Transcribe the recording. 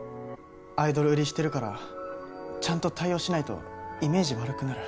アイドル売りしてるからちゃんと対応しないとイメージ悪くなる。